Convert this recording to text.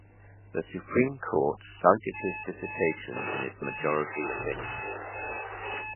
The Supreme Court cited his dissertation in its majority opinion.